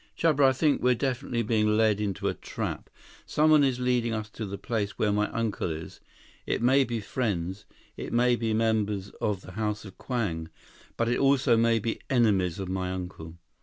"Chuba, I think we're definitely being led into a trap. Someone is leading us to the place where my uncle is. It may be friends. It may be members of the House of Kwang. But, it also may be enemies of my uncle.